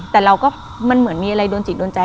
แต่เราก็มันเหมือนมีอะไรโดนจิตโดนใจ